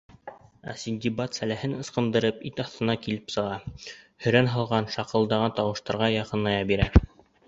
Ә Синдбад, сәлләһен ысҡындырып, ит аҫтынан килеп сыға. һөрән һалған, шаҡылдаған тауыштар яҡыная бирә.